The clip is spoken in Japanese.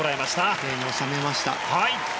きれいに収めました。